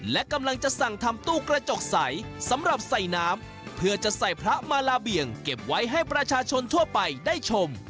และกำลังจะสั่งทำตู้กระจกใสสำหรับใส่น้ำเพื่อจะใส่พระมาลาเบี่ยงเก็บไว้ให้ประชาชนทั่วไปได้ชม